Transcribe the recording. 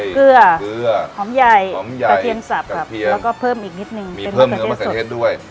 หอมใหญ่กระเทียนสับแล้วก็เพิ่มอีกนิดนึงเป็นมะเขือเทศสดมีเนื้อน้ำมะกะเทศด้วย